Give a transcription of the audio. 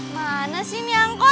mana sih miangkot